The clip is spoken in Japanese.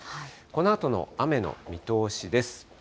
このあとの雨の見通しです。